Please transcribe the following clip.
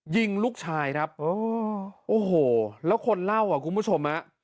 ยิงลูกชายครับโอ้โหแล้วคนเล่าอ่ะคุณผู้ชมฮะ